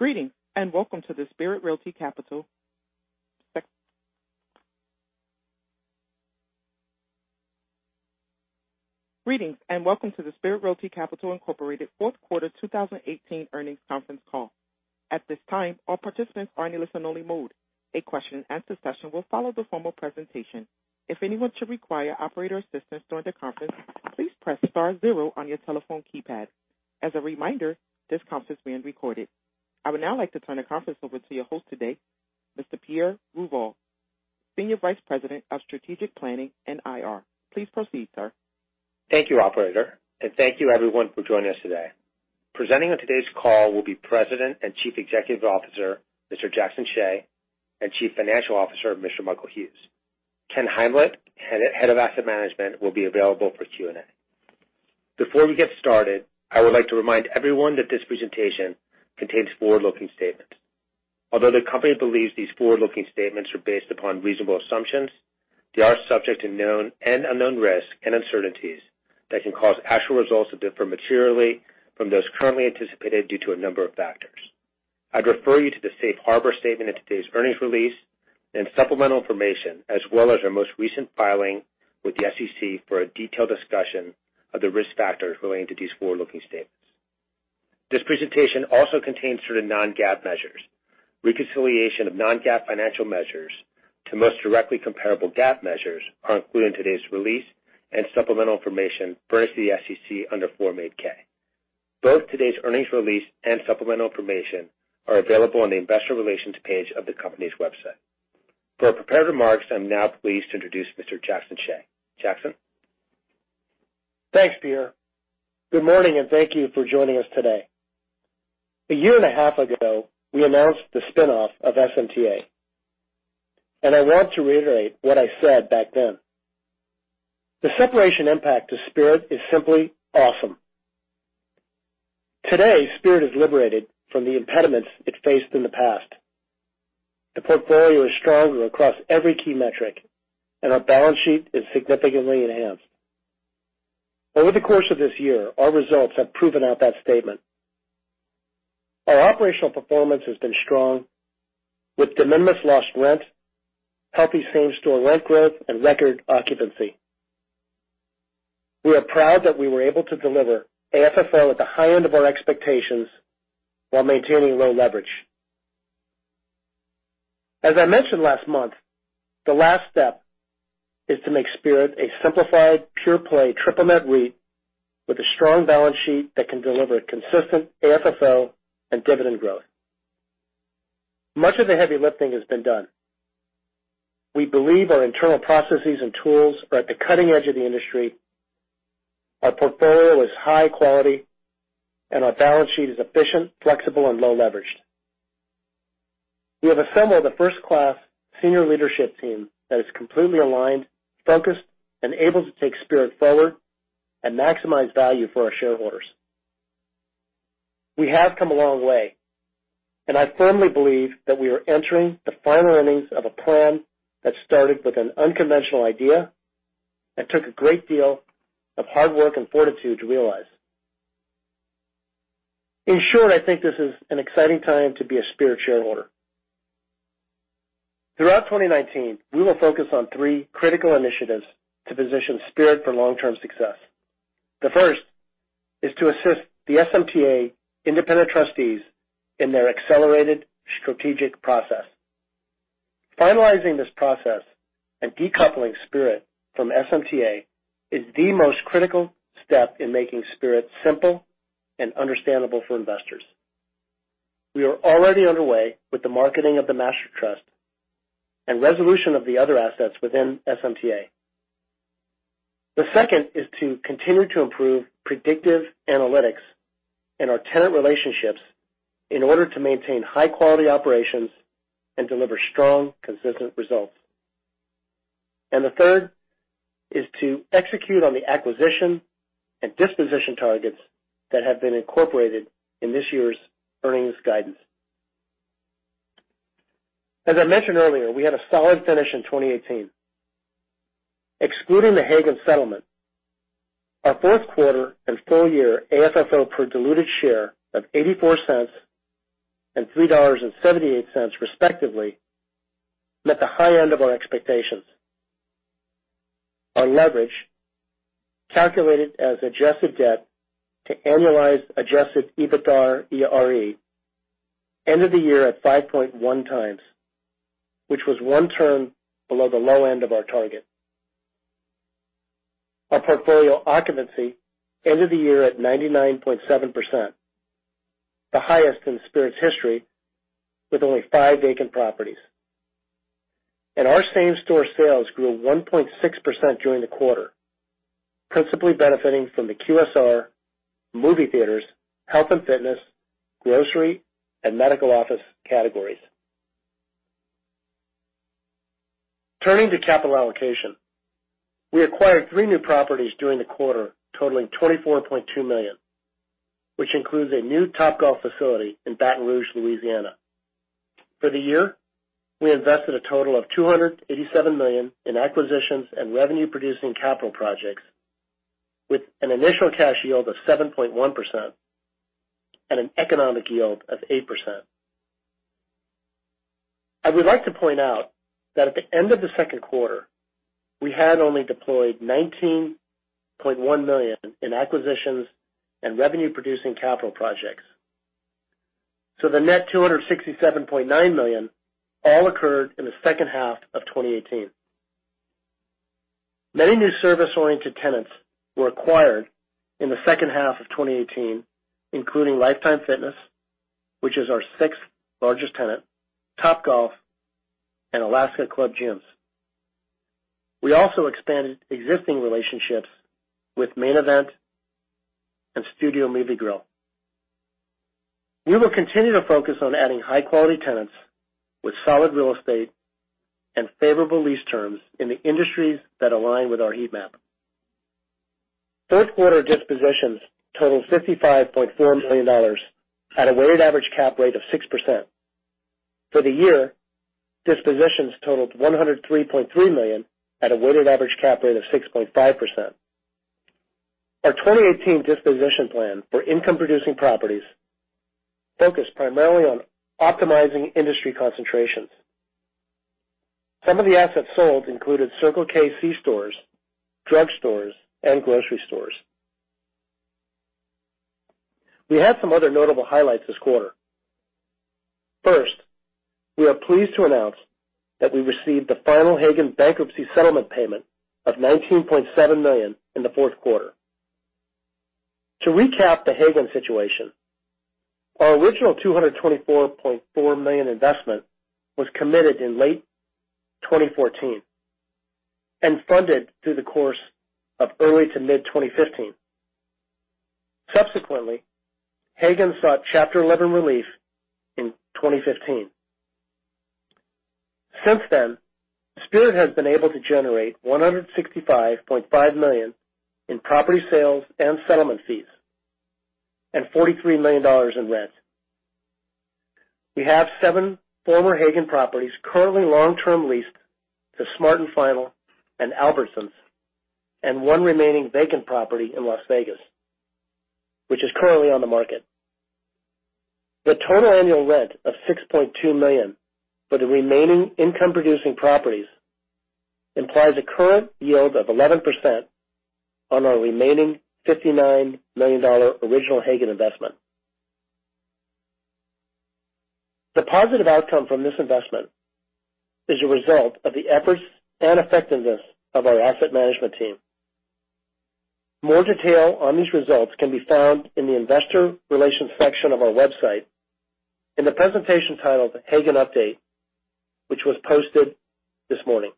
Greetings, welcome to the Spirit Realty Capital Inc. fourth quarter 2018 earnings conference call. At this time, all participants are in listen-only mode. A question-and-answer session will follow the formal presentation. If anyone should require operator assistance during the conference, please press star zero on your telephone keypad. As a reminder, this conference is being recorded. I would now like to turn the conference over to your host today, Mr. Pierre Revol, Senior Vice President of Strategic Planning and IR. Please proceed, sir. Thank you, operator, thank you everyone for joining us today. Presenting on today's call will be President and Chief Executive Officer, Mr. Jackson Hsieh, and Chief Financial Officer, Mr. Michael Hughes. Ken Heimlich, Head of Asset Management, will be available for Q&A. Before we get started, I would like to remind everyone that this presentation contains forward-looking statements. Although the company believes these forward-looking statements are based upon reasonable assumptions, they are subject to known and unknown risks and uncertainties that can cause actual results to differ materially from those currently anticipated due to a number of factors. I'd refer you to the safe harbor statement in today's earnings release and supplemental information, as well as our most recent filing with the SEC for a detailed discussion of the risk factors relating to these forward-looking statements. This presentation also contains certain non-GAAP measures. Reconciliation of non-GAAP financial measures to most directly comparable GAAP measures are included in today's release and supplemental information filed with the SEC under Form 8-K. Both today's earnings release and supplemental information are available on the Investor Relations page of the company's website. For our prepared remarks, I am now pleased to introduce Mr. Jackson Hsieh. Jackson? Thanks, Pierre. Good morning, thank you for joining us today. A year and a half ago, we announced the spin-off of SMTA, I want to reiterate what I said back then. The separation impact to Spirit is simply awesome. Today, Spirit is liberated from the impediments it faced in the past. The portfolio is stronger across every key metric, Our balance sheet is significantly enhanced. Over the course of this year, our results have proven out that statement. Our operational performance has been strong with de minimis lost rent, healthy same-store rent growth, and record occupancy. We are proud that we were able to deliver AFFO at the high end of our expectations while maintaining low leverage. As I mentioned last month, the last step is to make Spirit a simplified pure-play triple-net REIT with a strong balance sheet that can deliver consistent AFFO and dividend growth. Much of the heavy lifting has been done. We believe our internal processes and tools are at the cutting edge of the industry. Our portfolio is high quality, and our balance sheet is efficient, flexible, and low leveraged. We have assembled a first-class senior leadership team that is completely aligned, focused, and able to take Spirit forward and maximize value for our shareholders. We have come a long way, and I firmly believe that we are entering the final innings of a plan that started with an unconventional idea and took a great deal of hard work and fortitude to realize. In short, I think this is an exciting time to be a Spirit shareholder. Throughout 2019, we will focus on three critical initiatives to position Spirit for long-term success. The first is to assist the SMTA independent trustees in their accelerated strategic process. Finalizing this process and decoupling Spirit from SMTA is the most critical step in making Spirit simple and understandable for investors. We are already underway with the marketing of the master trust and resolution of the other assets within SMTA. The second is to continue to improve predictive analytics in our tenant relationships in order to maintain high-quality operations and deliver strong, consistent results. The third is to execute on the acquisition and disposition targets that have been incorporated in this year's earnings guidance. As I mentioned earlier, we had a solid finish in 2018. Excluding the Haggen settlement, our fourth quarter and full-year AFFO per diluted share of $0.84 and $3.78, respectively, met the high end of our expectations. Our leverage, calculated as adjusted debt to annualized adjusted EBITDARE, ended the year at 5.1 times, which was one turn below the low end of our target. Our portfolio occupancy ended the year at 99.7%, the highest in Spirit's history, with only five vacant properties. Our same-store sales grew 1.6% during the quarter, principally benefiting from the QSR, movie theaters, health and fitness, grocery, and medical office categories. Turning to capital allocation, we acquired three new properties during the quarter, totaling $24.2 million, which includes a new Topgolf facility in Baton Rouge, Louisiana. For the year, we invested a total of $287 million in acquisitions and revenue-producing capital projects with an initial cash yield of 7.1% and an economic yield of 8%. I would like to point out that at the end of the second quarter, we had only deployed $19.1 million in acquisitions and revenue-producing capital projects. The net $267.9 million all occurred in the second half of 2018. Many new service-oriented tenants were acquired in the second half of 2018, including Life Time, which is our sixth largest tenant, Topgolf and The Alaska Club Gyms. We also expanded existing relationships with Main Event and Studio Movie Grill. We will continue to focus on adding high-quality tenants with solid real estate and favorable lease terms in the industries that align with our heat map. Third quarter dispositions totaled $55.4 million at a weighted average cap rate of 6%. For the year, dispositions totaled $103.3 million at a weighted average cap rate of 6.5%. Our 2018 disposition plan for income-producing properties focused primarily on optimizing industry concentrations. Some of the assets sold included Circle K C-stores, drug stores, and grocery stores. We have some other notable highlights this quarter. First, we are pleased to announce that we received the final Haggen bankruptcy settlement payment of $19.7 million in the fourth quarter. To recap the Haggen situation, our original $224.4 million investment was committed in late 2014 and funded through the course of early to mid-2015. Subsequently, Haggen sought Chapter 11 relief in 2015. Since then, Spirit has been able to generate $165.5 million in property sales and settlement fees and $43 million in rent. We have seven former Haggen properties currently long-term leased to Smart & Final and Albertsons, and one remaining vacant property in Las Vegas, which is currently on the market. The total annual rent of $6.2 million for the remaining income-producing properties implies a current yield of 11% on our remaining $59 million original Haggen investment. The positive outcome from this investment is a result of the efforts and effectiveness of our asset management team. More detail on these results can be found in the Investor Relations section of our website in the presentation titled Haggen Update, which was posted this morning.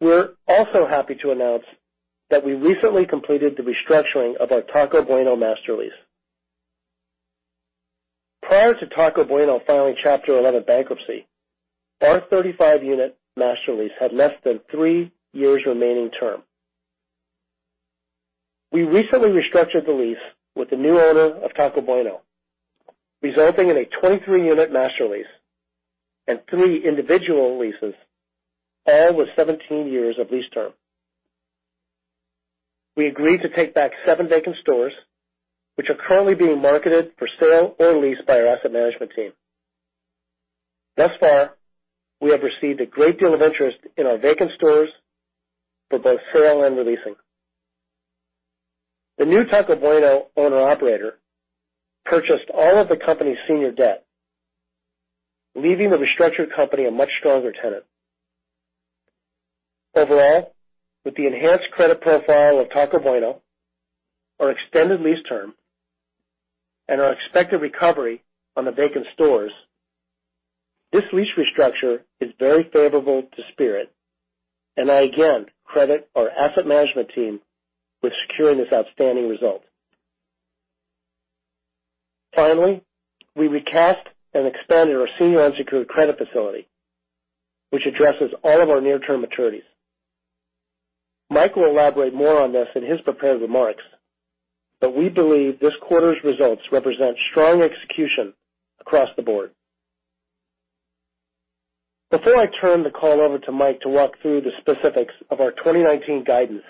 We're also happy to announce that we recently completed the restructuring of our Taco Bueno master lease. Prior to Taco Bueno filing Chapter 11 bankruptcy, our 35-unit master lease had less than three years remaining term. We recently restructured the lease with the new owner of Taco Bueno, resulting in a 23-unit master lease and three individual leases, all with 17 years of lease term. We agreed to take back seven vacant stores, which are currently being marketed for sale or lease by our asset management team. Thus far, we have received a great deal of interest in our vacant stores for both sale and leasing. The new Taco Bueno owner operator purchased all of the company's senior debt, leaving the restructured company a much stronger tenant. Overall, with the enhanced credit profile of Taco Bueno, our extended lease term, and our expected recovery on the vacant stores, this lease restructure is very favorable to Spirit, and I again credit our asset management team with securing this outstanding result. Finally, we recast and expanded our senior unsecured credit facility, which addresses all of our near-term maturities. Mike will elaborate more on this in his prepared remarks, but we believe this quarter's results represent strong execution across the board. Before I turn the call over to Mike to walk through the specifics of our 2019 guidance,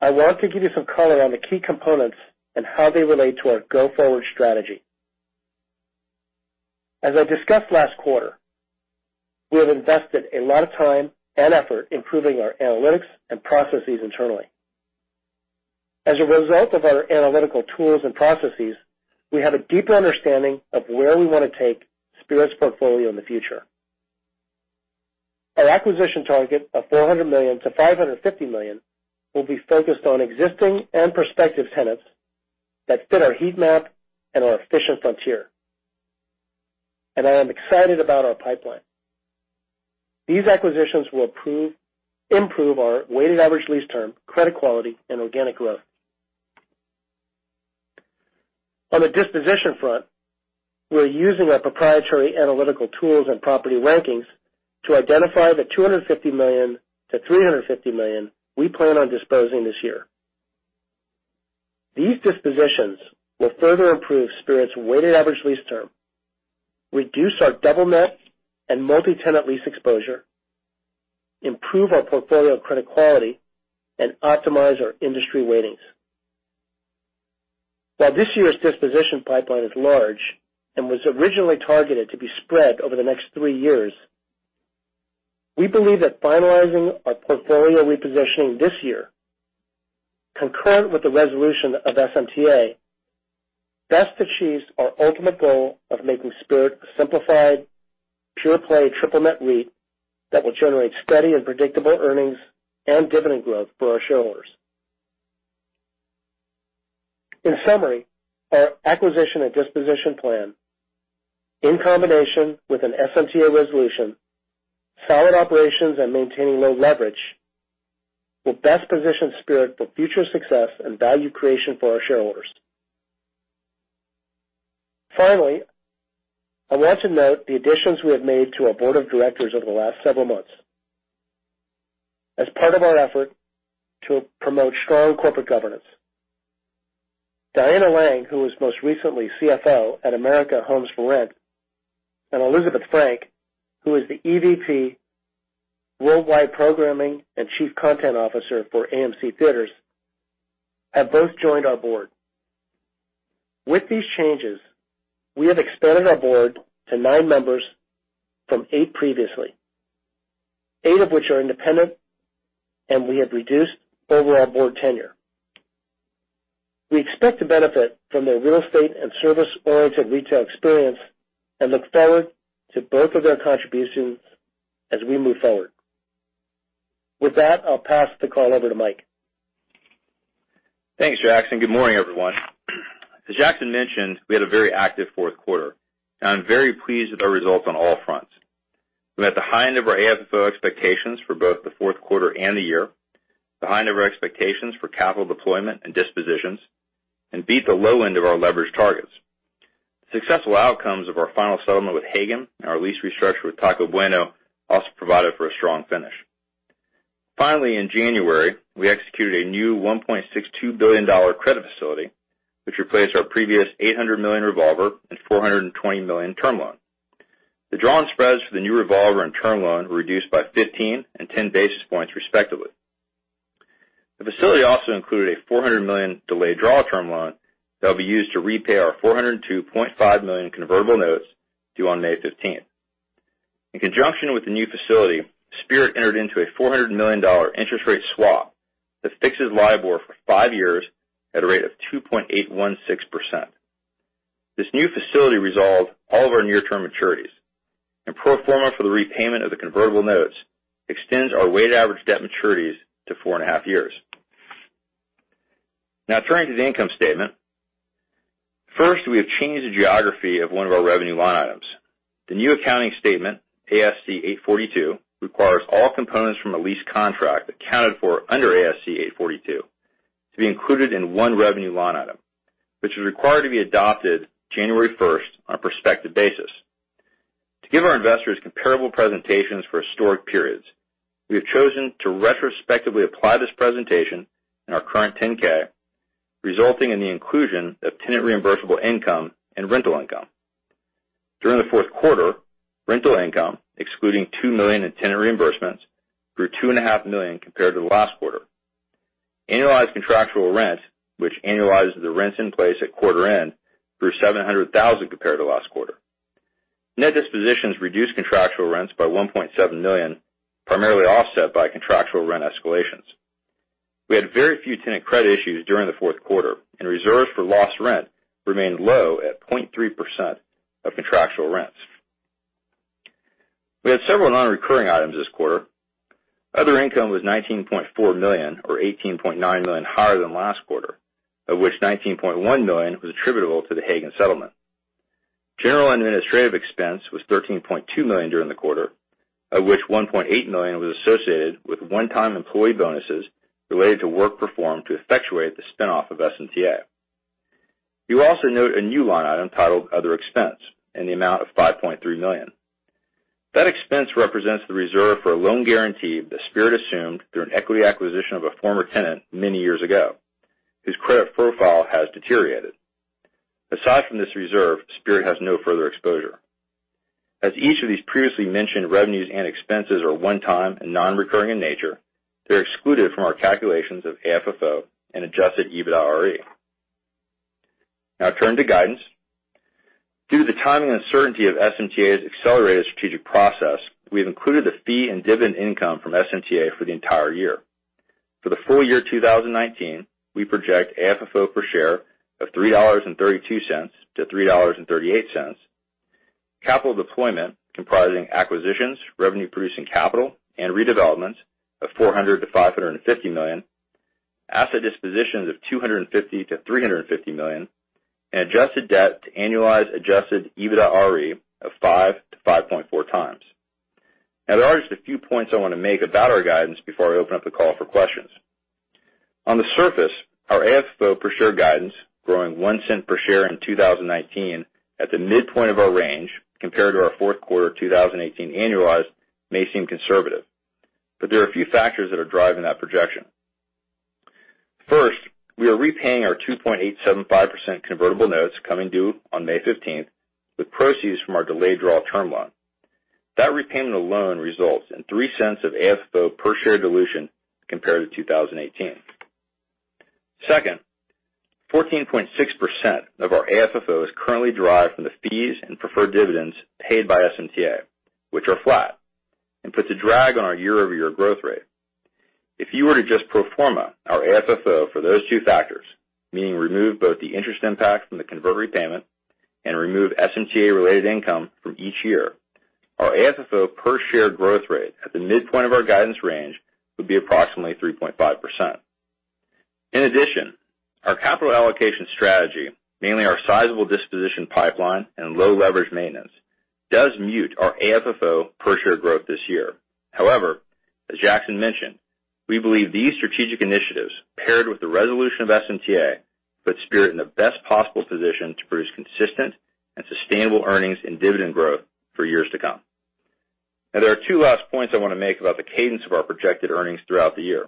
I want to give you some color on the key components and how they relate to our go-forward strategy. As I discussed last quarter, we have invested a lot of time and effort improving our analytics and processes internally. As a result of our analytical tools and processes, we have a deeper understanding of where we want to take Spirit's portfolio in the future. Our acquisition target of $400 million-$550 million will be focused on existing and prospective tenants that fit our heat map and our efficient frontier. I am excited about our pipeline. These acquisitions will improve our weighted average lease term, credit quality, and organic growth. On the disposition front, we're using our proprietary analytical tools and property rankings to identify the $250 million-$350 million we plan on disposing this year. These dispositions will further improve Spirit's weighted average lease term, reduce our double net and multi-tenant lease exposure, improve our portfolio credit quality, and optimize our industry weightings. While this year's disposition pipeline is large and was originally targeted to be spread over the next three years, we believe that finalizing our portfolio repositioning this year, concurrent with the resolution of SMTA, best achieves our ultimate goal of making Spirit a simplified pure-play triple net REIT that will generate steady and predictable earnings and dividend growth for our shareholders. In summary, our acquisition and disposition plan, in combination with an SMTA resolution, solid operations, and maintaining low leverage, will best position Spirit for future success and value creation for our shareholders. Finally, I want to note the additions we have made to our board of directors over the last several months. As part of our effort to promote strong corporate governance, Diana Wang, who was most recently CFO at American Homes 4 Rent, and Elizabeth Frank, who is the EVP Worldwide Programming and Chief Content Officer for AMC Theatres, have both joined our board. With these changes, we have expanded our board to nine members from eight previously, eight of which are independent, and we have reduced overall board tenure. We expect to benefit from their real estate and service-oriented retail experience and look forward to both of their contributions as we move forward. With that, I'll pass the call over to Mike. Thanks, Jackson. Good morning, everyone. As Jackson mentioned, we had a very active fourth quarter, and I'm very pleased with our results on all fronts. We're at the high end of our AFFO expectations for both the fourth quarter and the year, behind our expectations for capital deployment and dispositions, and beat the low end of our leverage targets. Successful outcomes of our final settlement with Haggen and our lease restructure with Taco Bueno also provided for a strong finish. Finally, in January, we executed a new $1.62 billion credit facility, which replaced our previous $800 million revolver and $420 million term loan. The drawn spreads for the new revolver and term loan were reduced by 15 and 10 basis points, respectively. The facility also included a $400 million delayed draw term loan that will be used to repay our $402.5 million convertible notes due on May 15th. In conjunction with the new facility, Spirit entered into a $400 million interest rate swap that fixes LIBOR for five years at a rate of 2.816%. This new facility resolved all of our near-term maturities, and pro forma for the repayment of the convertible notes extends our weighted average debt maturities to four and a half years. Now turning to the income statement. First, we have changed the geography of one of our revenue line items. The new accounting statement, ASC 842, requires all components from a lease contract accounted for under ASC 842 to be included in one revenue line item, which is required to be adopted January first on a prospective basis. To give our investors comparable presentations for historic periods, we have chosen to retrospectively apply this presentation in our current 10-K, resulting in the inclusion of tenant reimbursable income and rental income. During the fourth quarter, rental income, excluding $2 million in tenant reimbursements, grew $2.5 million compared to the last quarter. Annualized contractual rent, which annualizes the rents in place at quarter end, grew $700,000 compared to last quarter. Net dispositions reduced contractual rents by $1.7 million, primarily offset by contractual rent escalations. We had very few tenant credit issues during the fourth quarter, and reserves for lost rent remained low at 0.3% of contractual rents. We had several non-recurring items this quarter. Other income was $19.4 million, or $18.9 million higher than last quarter, of which $19.1 million was attributable to the Haggen settlement. General and administrative expense was $13.2 million during the quarter, of which $1.8 million was associated with one-time employee bonuses related to work performed to effectuate the spinoff of SMTA. You will also note a new line item titled Other Expense in the amount of $5.3 million. That expense represents the reserve for a loan guarantee that Spirit assumed through an equity acquisition of a former tenant many years ago, whose credit profile has deteriorated. Aside from this reserve, Spirit has no further exposure. As each of these previously mentioned revenues and expenses are one time and non-recurring in nature, they're excluded from our calculations of AFFO and adjusted EBITDAre. Now turning to guidance. Due to the timing uncertainty of SMTA's accelerated strategic process, we have included the fee and dividend income from SMTA for the entire year. For the full year 2019, we project AFFO per share of $3.32 to $3.38, capital deployment comprising acquisitions, revenue producing capital and redevelopments of $400 million-$550 million, asset dispositions of $250 million-$350 million, and adjusted debt to annualized adjusted EBITDAre of 5-5.4 times. Now there are just a few points I want to make about our guidance before I open up the call for questions. On the surface, our AFFO per share guidance growing $0.01 per share in 2019 at the midpoint of our range compared to our fourth quarter 2018 annualized may seem conservative. There are a few factors that are driving that projection. First, we are repaying our 2.875% convertible notes coming due on May 15th with proceeds from our delayed draw term loan. That repayment alone results in $0.03 of AFFO per share dilution compared to 2018. Second, 14.6% of our AFFO is currently derived from the fees and preferred dividends paid by SMTA, which are flat and puts a drag on our year-over-year growth rate. If you were to just pro forma our AFFO for those two factors, meaning remove both the interest impact from the convert repayment and remove SMTA-related income from each year, our AFFO per share growth rate at the midpoint of our guidance range would be approximately 3.5%. In addition, our capital allocation strategy, mainly our sizable disposition pipeline and low leverage maintenance, does mute our AFFO per share growth this year. However, as Jackson mentioned, we believe these strategic initiatives, paired with the resolution of SMTA, put Spirit in the best possible position to produce consistent and sustainable earnings and dividend growth for years to come. There are two last points I want to make about the cadence of our projected earnings throughout the year.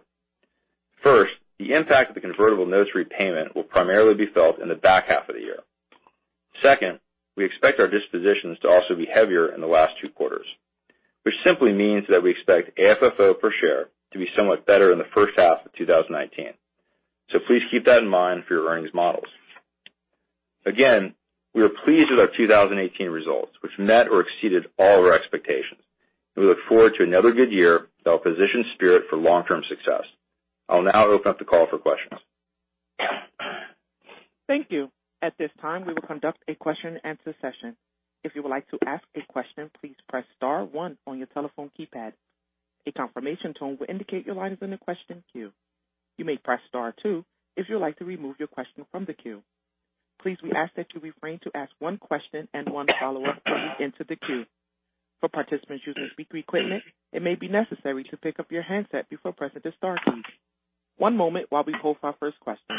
First, the impact of the convertible notes repayment will primarily be felt in the back half of the year. Second, we expect our dispositions to also be heavier in the last two quarters, which simply means that we expect AFFO per share to be somewhat better in the first half of 2019. Please keep that in mind for your earnings models. Again, we are pleased with our 2018 results, which met or exceeded all our expectations. We look forward to another good year that will position Spirit for long-term success. I'll now open up the call for questions. Thank you. At this time, we will conduct a question and answer session. If you would like to ask a question, please press star one on your telephone keypad. A confirmation tone will indicate your line is in the question queue. You may press star two if you'd like to remove your question from the queue. Please, we ask that you refrain to ask one question and one follow-up when you enter the queue. For participants using speaker equipment, it may be necessary to pick up your handset before pressing the star keys. One moment while we poll for our first question.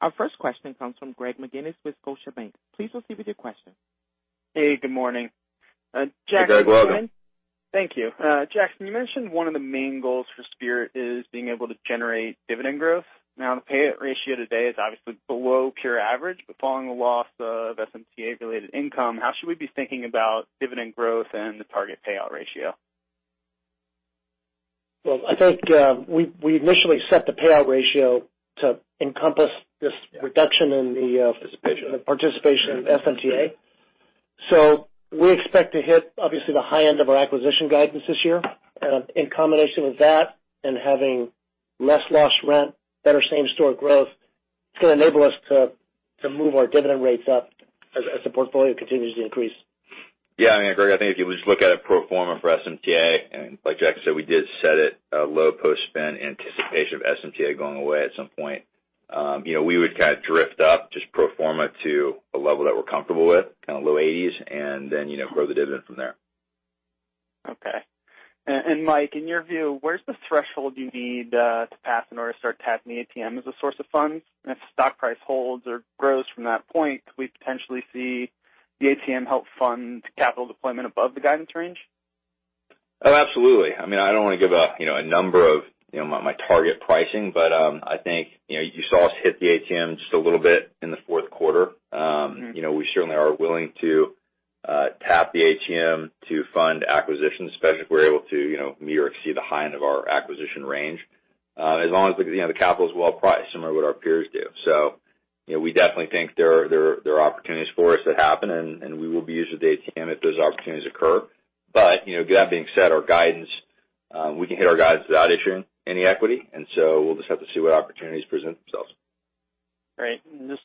Our first question comes from Greg McGinnis with Scotiabank. Please proceed with your question. Hey, good morning. Hey, Greg. Welcome. Thank you. Jackson, you mentioned one of the main goals for Spirit is being able to generate dividend growth. Now, the payout ratio today is obviously below peer average, but following the loss of SMTA-related income, how should we be thinking about dividend growth and the target payout ratio? Well, I think we initially set the payout ratio to encompass this reduction in Participation participation in SMTA. We expect to hit, obviously, the high end of our acquisition guidance this year. In combination with that and having less lost rent, better same store growth, it's going to enable us to move our dividend rates up as the portfolio continues to increase. Yeah, I mean, Greg, I think if you just look at it pro forma for SMTA, like Jackson said, we did set it low post-spin in anticipation of SMTA going away at some point. We would kind of drift up just pro forma to a level that we're comfortable with, kind of low eighties, then grow the dividend from there. Okay. Mike, in your view, where's the threshold you need to pass in order to start tapping the ATM as a source of funds? If the stock price holds or grows from that point, could we potentially see the ATM help fund capital deployment above the guidance range? Oh, absolutely. I don't want to give up my target pricing, I think you saw us hit the ATM just a little bit in the fourth quarter. We certainly are willing to tap the ATM to fund acquisitions, especially if we're able to meet or exceed the high end of our acquisition range. As long as the capital is well priced, similar to what our peers do. We definitely think there are opportunities for us that happen, we will be using the ATM if those opportunities occur. That being said, our guidance, we can hit our guidance without issuing any equity, we'll just have to see what opportunities present themselves. Great.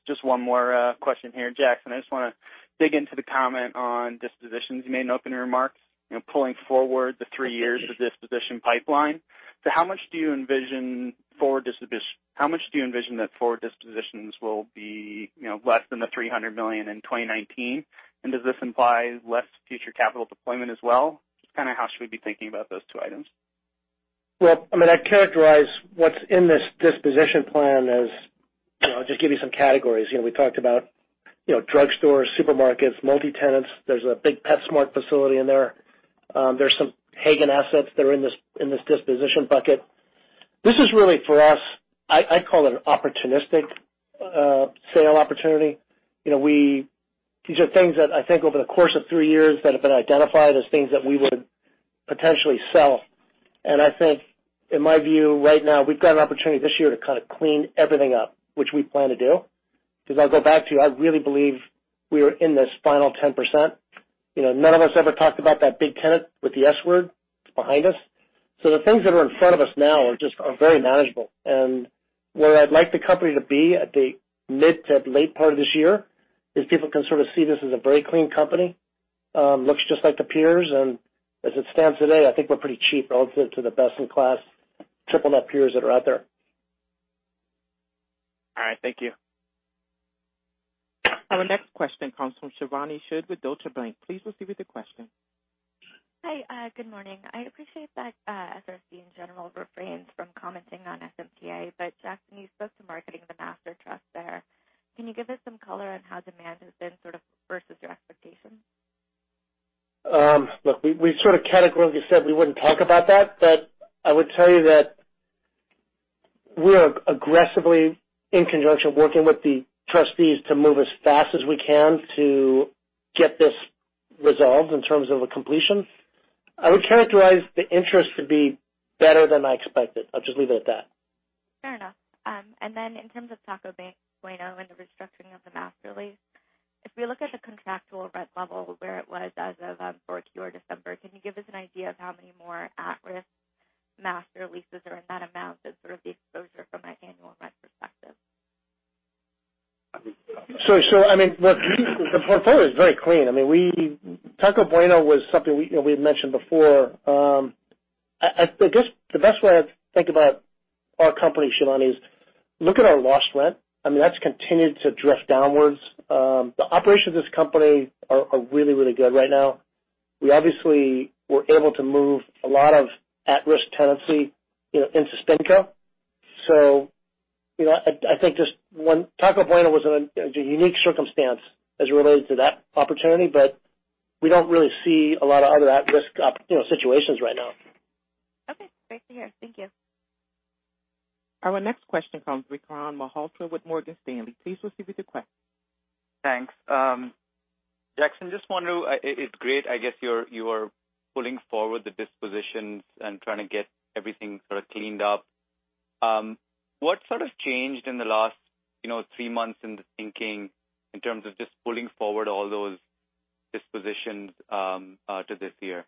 Just one more question here. Jackson, I just want to dig into the comment on dispositions you made in opening remarks, pulling forward the three years of disposition pipeline. How much do you envision that forward dispositions will be less than the $300 million in 2019? Does this imply less future capital deployment as well? Just kind of how should we be thinking about those two items? Well, I characterize what's in this disposition plan as, I'll just give you some categories. We talked about drugstores, supermarkets, multi-tenants. There's a big PetSmart facility in there. There's some Haggen assets that are in this disposition bucket. This is really for us, I call it an opportunistic sale opportunity. These are things that I think over the course of three years that have been identified as things that we would potentially sell, and I think in my view right now, we've got an opportunity this year to kind of clean everything up, which we plan to do. I really believe we are in this final 10%. None of us ever talked about that big tenant with the S word. It's behind us. The things that are in front of us now are very manageable. Where I'd like the company to be at the mid to late part of this year is people can sort of see this as a very clean company. Looks just like the peers, and as it stands today, I think we're pretty cheap relative to the best in class triple net peers that are out there. All right. Thank you. Our next question comes from Shivani Sood with Deutsche Bank. Please proceed with your question. Hi. Good morning. I appreciate that SRC in general refrains from commenting on SMTA, but Jackson, you spoke to marketing the master trust there. Can you give us some color on how demand has been sort of versus your expectations? Look, we sort of categorically said we wouldn't talk about that, but I would tell you that we are aggressively, in conjunction, working with the trustees to move as fast as we can to get this resolved in terms of a completion. I would characterize the interest to be better than I expected. I'll just leave it at that. Fair enough. Then in terms of Taco Bueno and the restructuring of the master lease, if we look at the contractual rent level where it was as of 4Q or December, can you give us an idea of how many more at-risk master leases are in that amount as sort of the exposure from an annual rent perspective? Look, the portfolio is very clean. Taco Bueno was something we had mentioned before. I guess the best way I think about our company, Shivani, is look at our lost rent. I mean, that's continued to drift downwards. The operations of this company are really good right now. We obviously were able to move a lot of at-risk tenancy into SMTA. I think just when Taco Bueno was in a unique circumstance as it related to that opportunity, but we don't really see a lot of other at-risk situations right now. Okay. Great to hear. Thank you. Our next question comes Vikram Malhotra with Morgan Stanley. Please proceed with your question. Thanks. Jackson, it's great. I guess you are pulling forward the dispositions and trying to get everything sort of cleaned up. What sort of changed in the last three months in the thinking in terms of just pulling forward all those dispositions to this year?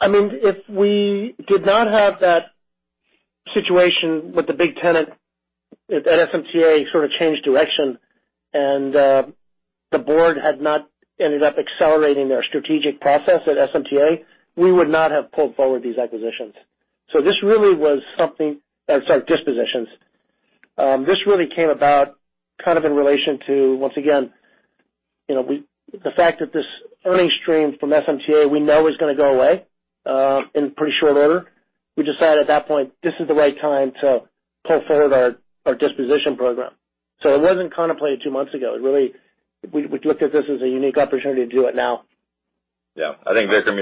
If we did not have that situation with the big tenant at SMTA sort of change direction, and the board had not ended up accelerating their strategic process at SMTA, we would not have pulled forward these acquisitions. This really was something, I'm sorry, dispositions. This really came about kind of in relation to, once again, the fact that this earning stream from SMTA we know is going to go away in pretty short order. We decided at that point, this is the right time to pull forward our disposition program. It wasn't contemplated two months ago. Really, we looked at this as a unique opportunity to do it now. Yeah. I think, Vikram,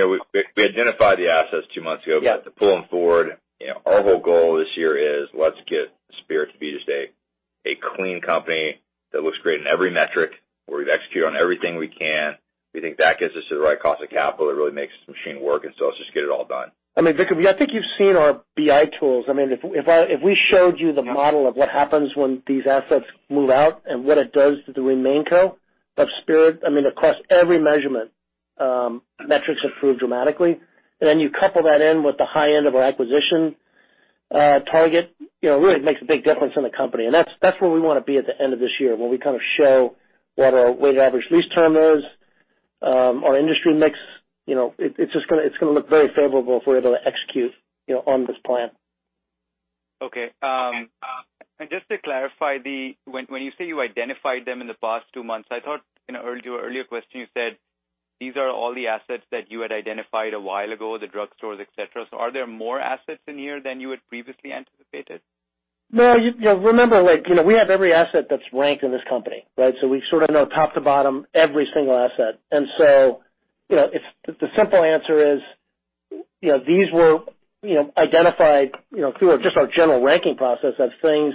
we identified the assets two months ago. Yeah To pull them forward, our whole goal this year is let's get Spirit to be just a clean company that looks great in every metric, where we execute on everything we can. We think that gets us to the right cost of capital. It really makes the machine work, and so let's just get it all done. Vikram, I think you've seen our BI tools. If we showed you the model of what happens when these assets move out and what it does to the RemainCo of Spirit, across every measurement, metrics improve dramatically. Then you couple that in with the high end of our acquisition target, it really makes a big difference in the company. That's where we want to be at the end of this year, where we kind of show what our weighted average lease term is, our industry mix. It's going to look very favorable if we're able to execute on this plan. Okay. Just to clarify, when you say you identified them in the past two months, I thought in your earlier question, you said these are all the assets that you had identified a while ago, the drugstores, et cetera. Are there more assets in here than you had previously anticipated? No. Remember, we have every asset that's ranked in this company, right? We sort of know top to bottom, every single asset. The simple answer is, these were identified through just our general ranking process of things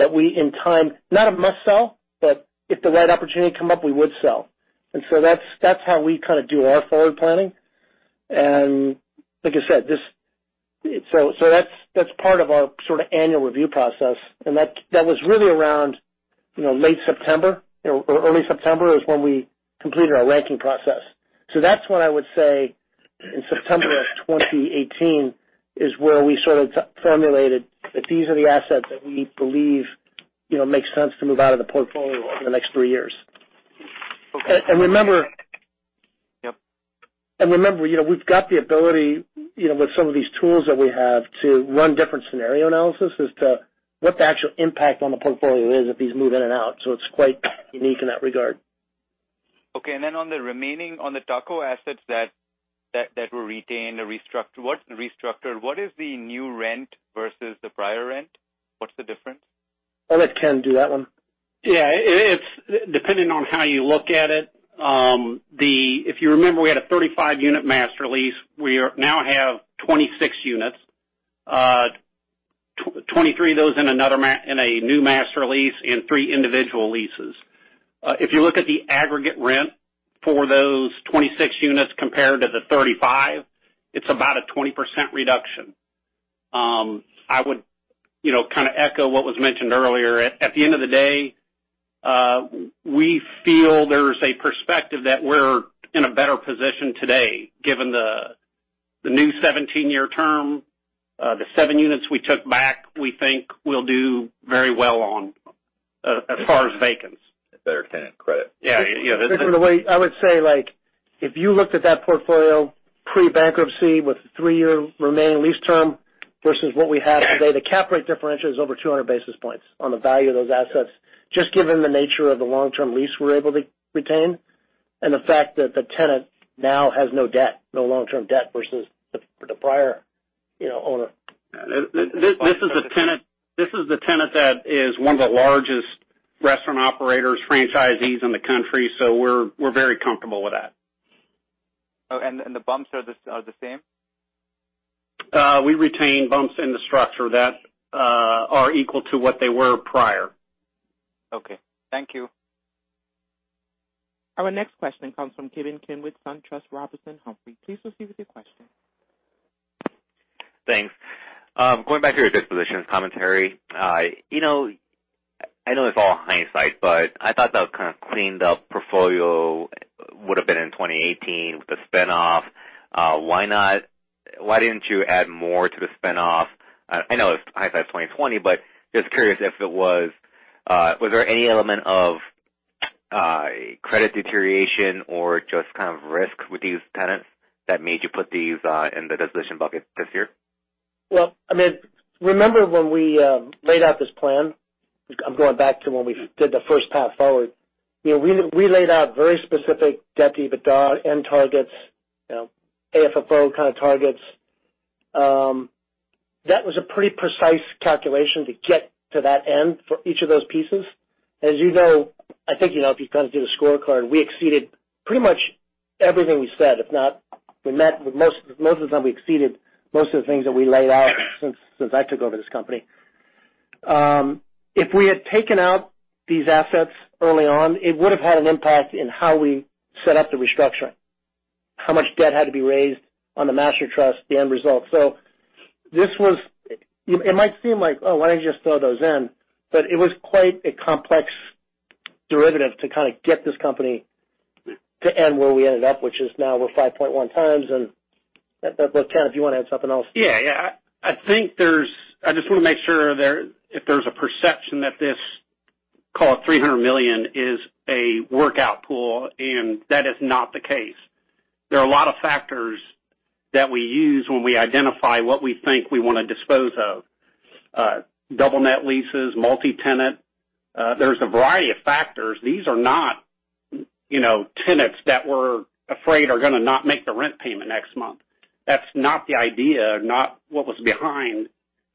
that we, in time, not a must-sell, but if the right opportunity come up, we would sell. That's how we kind of do our forward planning, and like I said, that's part of our sort of annual review process, and that was really around late September or early September is when we completed our ranking process. That's when I would say in September of 2018 is where we sort of formulated that these are the assets that we believe makes sense to move out of the portfolio over the next three years. Okay. And remember- Yep Remember, we've got the ability with some of these tools that we have to run different scenario analysis as to what the actual impact on the portfolio is if these move in and out. It's quite unique in that regard. Okay. Then on the remaining Taco assets that were retained or restructured, what is the new rent versus the prior rent? What is the difference? I will let Ken do that one. Yeah. It's depending on how you look at it. If you remember, we had a 35-unit master lease. We now have 26 units. 23 of those in a new master lease and three individual leases. If you look at the aggregate rent for those 26 units compared to the 35, it's about a 20% reduction. I would kind of echo what was mentioned earlier. At the end of the day, we feel there's a perspective that we're in a better position today given the new 17-year term, the seven units we took back, we think we'll do very well on as far as vacants. A better tenant credit. Yeah. Vikram, the way I would say, if you looked at that portfolio pre-bankruptcy with the 3-year remaining lease term versus what we have today, the cap rate differential is over 200 basis points on the value of those assets, just given the nature of the long-term lease we're able to retain. The fact that the tenant now has no debt, no long-term debt versus the prior owner. This is the tenant that is one of the largest restaurant operators, franchisees in the country, so we're very comfortable with that. Oh, the bumps are the same? We retain bumps in the structure that are equal to what they were prior. Okay. Thank you. Our next question comes from Kevin Kim with SunTrust Robinson Humphrey. Please proceed with your question. Thanks. Going back to your dispositions commentary. I know it's all hindsight, but I thought the kind of cleaned-up portfolio would've been in 2018 with the spin-off. Why didn't you add more to the spin-off? I know it's hindsight 20/20, but just curious if it was. Was there any element of credit deterioration or just kind of risk with these tenants that made you put these in the disposition bucket this year? Remember when we laid out this plan, I'm going back to when we did the first path forward. We laid out very specific debt EBITDA end targets, AFFO kind of targets. That was a pretty precise calculation to get to that end for each of those pieces. As you know, I think, if you've gone through the scorecard, we exceeded pretty much everything we said. If not, we met with most of the time, we exceeded most of the things that we laid out since I took over this company. If we had taken out these assets early on, it would've had an impact in how we set up the restructuring, how much debt had to be raised on the master trust, the end result. It might seem like, "Oh, why don't you just throw those in?" It was quite a complex derivative to kind of get this company to end where we ended up, which is now we're 5.1 times. Ken, if you want to add something else. Yeah. I just want to make sure if there's a perception that this call at $300 million is a workout pool, and that is not the case. There are a lot of factors that we use when we identify what we think we want to dispose of. Double net leases, multi-tenant. There's a variety of factors. These are not tenants that we're afraid are going to not make the rent payment next month. That's not the idea, not what was behind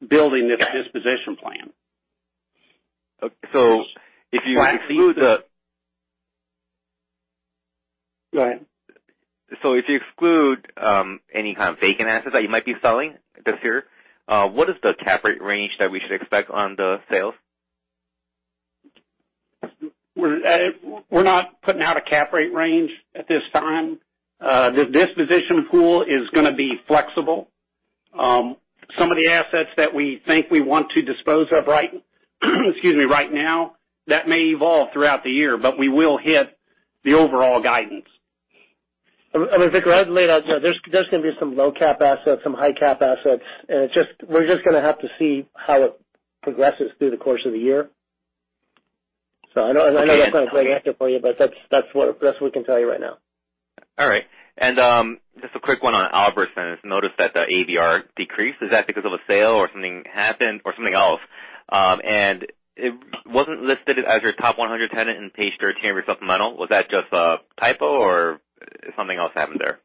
building this disposition plan. Okay. If you exclude Go ahead. If you exclude any kind of vacant assets that you might be selling this year, what is the cap rate range that we should expect on the sales? We're not putting out a cap rate range at this time. The disposition pool is going to be flexible. Some of the assets that we think we want to dispose of, excuse me, right now, that may evolve throughout the year, we will hit the overall guidance. I mean, Victor, as laid out, there's going to be some low-cap assets, some high-cap assets, we're just going to have to see how it progresses through the course of the year. I know that's not a great answer for you, that's what we can tell you right now. All right. Just a quick one on Albertsons. Noticed that the ABR decreased. Is that because of a sale or something happened or something else? It wasn't listed as your top 100 tenant in page 30 of your supplemental. Was that just a typo, or something else happened there?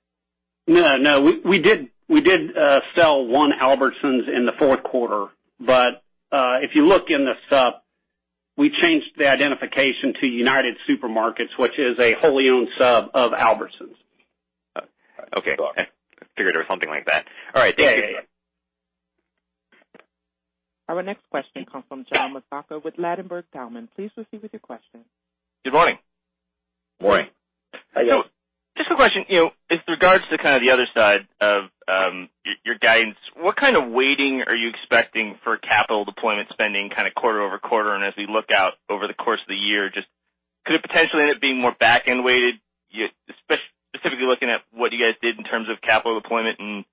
No. We did sell one Albertsons in the fourth quarter. If you look in the sub, we changed the identification to United Supermarkets, which is a wholly-owned sub of Albertsons. Okay. I figured it was something like that. All right. Thank you. Yeah. Our next question comes from John Massocca with Ladenburg Thalmann. Please proceed with your question. Good morning. Morning. Hi, John. Just a question. With regards to kind of the other side of your guidance, what kind of weighting are you expecting for capital deployment spending kind of quarter-over-quarter, and as we look out over the course of the year, just could it potentially end up being more back-end weighted, specifically looking at what you guys did in terms of capital deployment in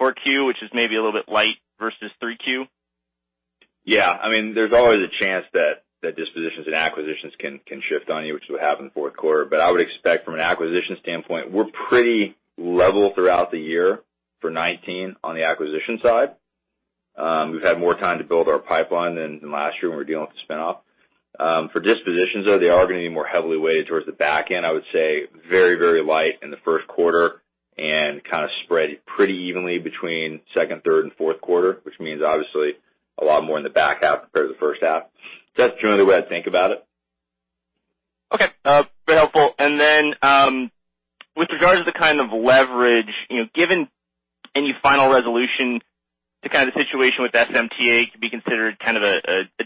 4Q, which is maybe a little bit light versus 3Q? Yeah. There's always a chance that dispositions and acquisitions can shift on you, which is what happened in the fourth quarter. I would expect from an acquisition standpoint, we're pretty level throughout the year for 2019 on the acquisition side. We've had more time to build our pipeline than last year when we were dealing with the spin-off. For dispositions, though, they are going to be more heavily weighted towards the back end. I would say very light in the first quarter and kind of spread pretty evenly between second, third, and fourth quarter, which means obviously a lot more in the back half compared to the first half. That's generally the way I'd think about it. Okay. Very helpful. With regards to kind of leverage, given any final resolution to kind of the situation with SMTA could be considered kind of a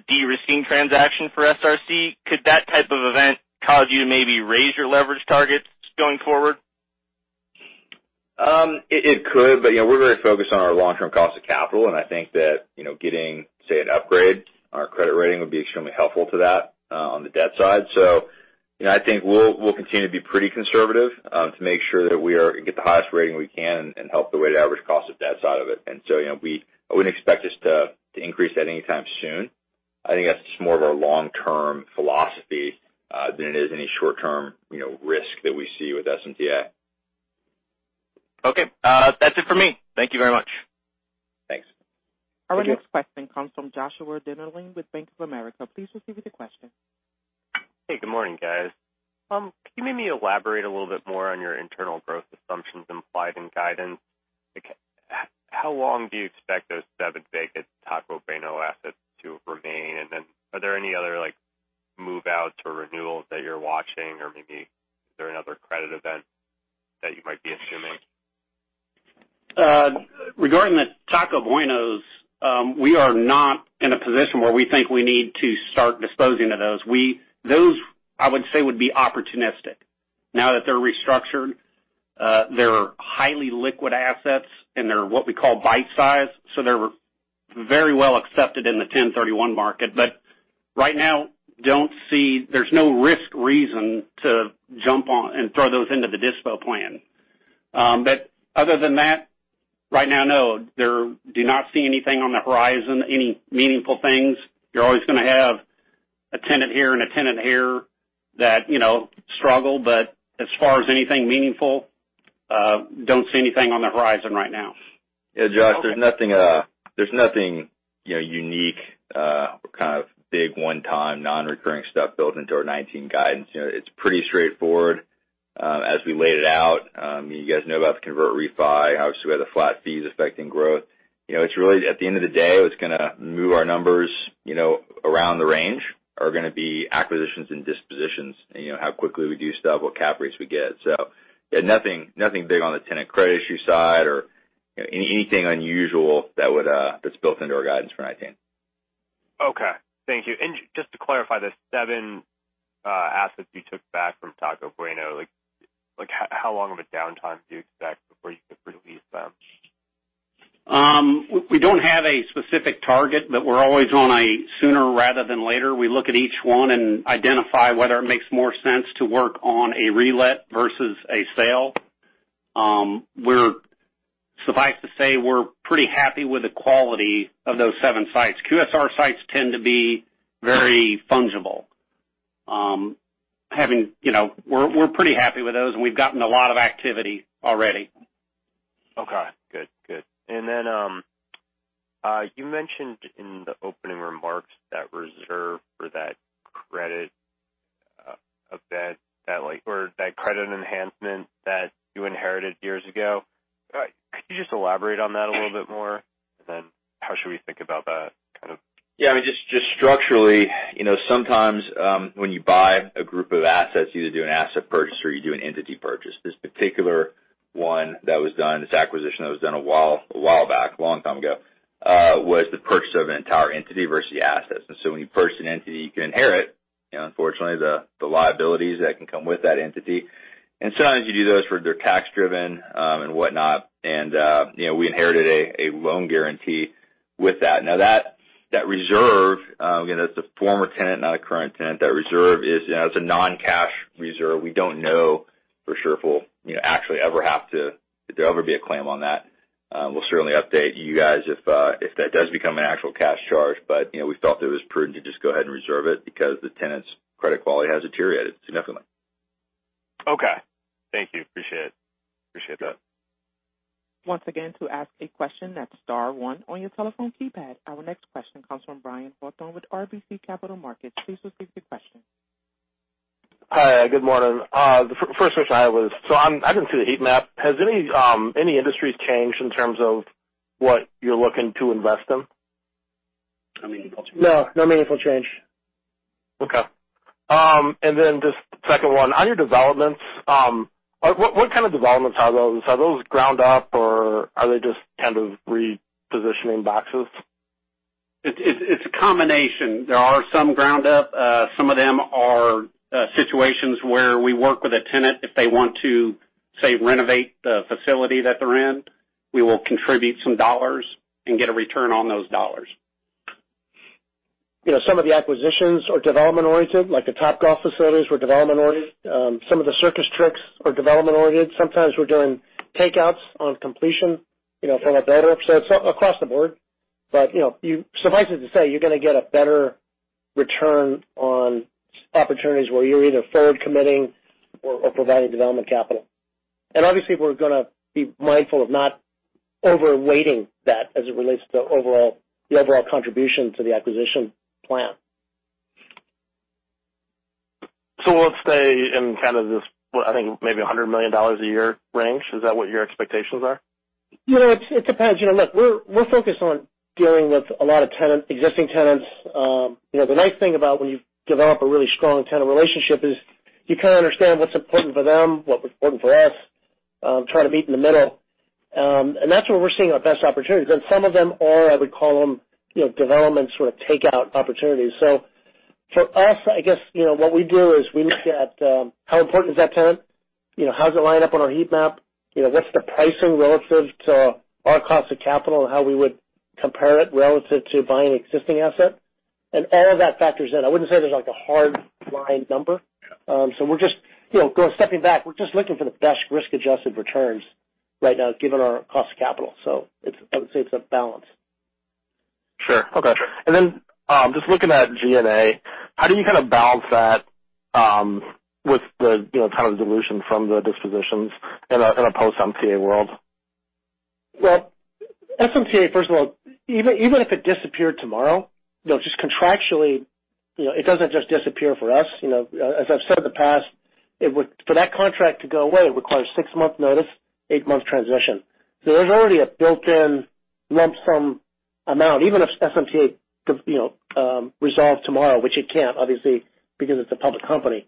de-risking transaction for SRC, could that type of event cause you to maybe raise your leverage targets going forward? It could, we're very focused on our long-term cost of capital, I think that getting, say, an upgrade on our credit rating would be extremely helpful to that, on the debt side. I think we'll continue to be pretty conservative to make sure that we get the highest rating we can and help the weighted average cost of debt side of it. I wouldn't expect us to increase that anytime soon. I think that's just more of our long-term philosophy, than it is any short-term risk that we see with SMTA. Okay. That's it for me. Thank you very much. Thanks. Our next question comes from Joshua Dennerlein with Bank of America. Please proceed with your question. Hey, good morning, guys. Can you maybe elaborate a little bit more on your internal growth assumptions implied in guidance? How long do you expect those seven vacant Taco Bueno assets to remain? Are there any other move-outs or renewals that you're watching or maybe is there another credit event that you might be assuming? Regarding the Taco Buenos, we are not in a position where we think we need to start disposing of those. Those, I would say, would be opportunistic. Now that they're restructured, they're highly liquid assets, and they're what we call bite-sized, so they're very well accepted in the 1031 market. Right now, there's no risk reason to jump on and throw those into the dispo plan. Other than that, right now, no, do not see anything on the horizon, any meaningful things. You're always going to have a tenant here and a tenant here that struggle. As far as anything meaningful, don't see anything on the horizon right now. Yeah, Josh, there's nothing unique, kind of big one-time non-recurring stuff built into our 2019 guidance. It's pretty straightforward. As we laid it out, you guys know about the convert refi, obviously, we had the flat fees affecting growth. At the end of the day, what's going to move our numbers around the range are going to be acquisitions and dispositions and how quickly we do stuff, what cap rates we get. Yeah, nothing big on the tenant credit issue side or anything unusual that's built into our guidance for 2019. Okay. Thank you. Just to clarify, the seven assets you took back from Taco Bueno, how long of a downtime do you expect before you could re-lease them? We don't have a specific target, but we're always on a sooner rather than later. We look at each one and identify whether it makes more sense to work on a relet versus a sale. Suffice to say, we're pretty happy with the quality of those seven sites. QSR sites tend to be very fungible. We're pretty happy with those, and we've gotten a lot of activity already. Okay, good. You mentioned in the opening remarks that reserve for that credit event or that credit enhancement that you inherited years ago. Could you just elaborate on that a little bit more? How should we think about that? Yeah. Just structurally, sometimes when you buy a group of assets, you either do an asset purchase or you do an entity purchase. This particular one that was done, this acquisition that was done a while back, a long time ago, was the purchase of an entire entity versus the assets. When you purchase an entity, you can inherit, unfortunately, the liabilities that can come with that entity. Sometimes you do those where they're tax-driven and whatnot. We inherited a loan guarantee with that. That reserve, again, that's a former tenant, not a current tenant. That reserve is a non-cash reserve. We don't know for sure if there'll ever be a claim on that. We'll certainly update you guys if that does become an actual cash charge. We felt it was prudent to just go ahead and reserve it because the tenant's credit quality has deteriorated significantly. Okay. Thank you. Appreciate it. Appreciate that. Once again, to ask a question, that is star one on your telephone keypad. Our next question comes from Brian Hawthorne with RBC Capital Markets. Please proceed with your question. Hi. Good morning. The first question I have is, I didn't see the heat map. Has any industries changed in terms of what you're looking to invest in? No meaningful change. Okay. Then just second one, on your developments, what kind of developments are those? Are those ground up or are they just kind of repositioning boxes? It's a combination. There are some ground up. Some of them are situations where we work with a tenant if they want to, say, renovate the facility that they're in. We will contribute some dollars and get a return on those dollars. Some of the acquisitions are development-oriented, like the Topgolf facilities were development-oriented. Some of the CircusTrix are development-oriented. Sometimes we're doing takeouts on completion from a debtor. It's across the board. Suffice it to say, you're going to get a better return on opportunities where you're either forward committing or providing development capital. Obviously, we're going to be mindful of not overweighting that as it relates to the overall contribution to the acquisition plan. Let's stay in kind of this, what I think maybe $100 million a year range. Is that what your expectations are? It depends. Look, we're focused on dealing with a lot of existing tenants. The nice thing about when you develop a really strong tenant relationship is you kind of understand what's important for them, what was important for us, try to meet in the middle. That's where we're seeing our best opportunities. Some of them are, I would call them, development sort of takeout opportunities. For us, I guess, what we do is we look at how important is that tenant? How does it line up on our heat map? What's the pricing relative to our cost of capital and how we would compare it relative to buying existing asset? All of that factors in. I wouldn't say there's like a hard line number. We're just stepping back. We're just looking for the best risk-adjusted returns right now given our cost of capital. I would say it's a balance. Sure. Okay. Just looking at G&A, how do you kind of balance that with the kind of dilution from the dispositions in a post-SMTA world? SMTA, first of all, even if it disappeared tomorrow, just contractually, it doesn't just disappear for us. As I've said in the past, for that contract to go away, it requires six-month notice, eight-month transition. There's already a built-in lump sum amount, even if SMTA resolved tomorrow, which it can't, obviously, because it's a public company.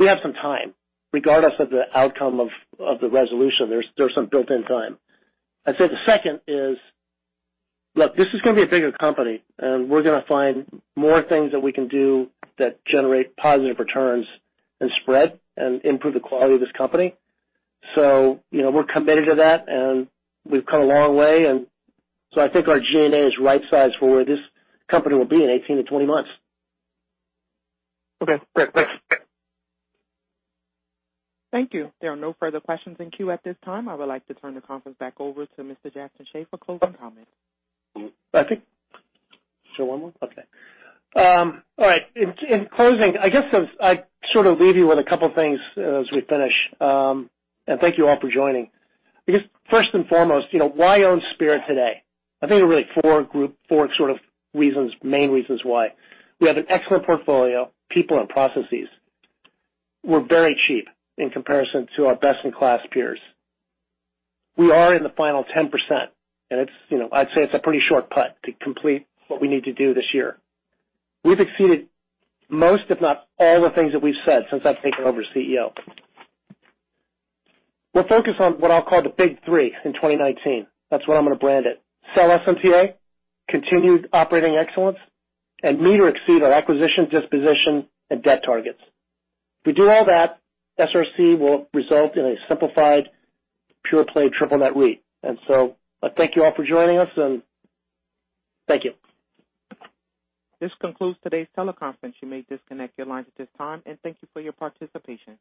We have some time, regardless of the outcome of the resolution. There's some built-in time. I'd say the second is, look, this is going to be a bigger company, and we're going to find more things that we can do that generate positive returns and spread and improve the quality of this company. We're committed to that, and we've come a long way, I think our G&A is right-sized for where this company will be in 18 to 20 months. Okay. Great. Thanks. Thank you. There are no further questions in queue at this time. I would like to turn the conference back over to Mr. Jackson Hsieh for closing comments. I think Still one more? Okay. All right. In closing, I guess I sort of leave you with a couple things as we finish. Thank you all for joining. I guess, first and foremost, why own Spirit today? I think there are really four sort of main reasons why. We have an excellent portfolio, people and processes. We're very cheap in comparison to our best-in-class peers. We are in the final 10%, and I'd say it's a pretty short cut to complete what we need to do this year. We've exceeded most, if not all, the things that we've said since I've taken over as CEO. We'll focus on what I'll call the big three in 2019. That's what I'm going to brand it. Sell SMTA, continued operating excellence, and meet or exceed our acquisition, disposition, and debt targets. If we do all that, SRC will result in a simplified pure-play triple net REIT. I thank you all for joining us, and thank you. This concludes today's teleconference. You may disconnect your lines at this time, and thank you for your participation.